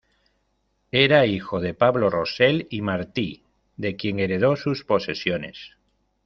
Era hijo de Pablo Rosell y Martí, de quien heredó sus posesiones.